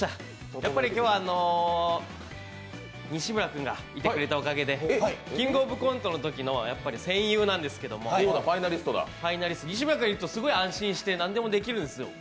やっぱり今日は西村君がいてくれたおかげで「キングオブコント」のときの戦友なんですけれども、西村君がいるとすごい安心して何でもできるんですよ。